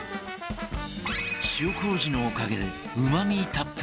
塩麹のおかげでうまみたっぷり